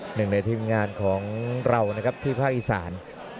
หนึ่งในทีมงานของเรานะครับที่ภาคอีสาน